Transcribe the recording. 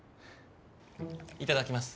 いただきます。